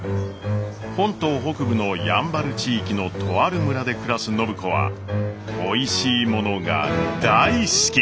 本島北部のやんばる地域のとある村で暮らす暢子はおいしいものが大好き。